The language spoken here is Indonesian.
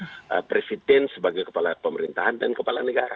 kepala fungsi dan kedudukan presiden sebagai kepala pemerintahan dan kepala negara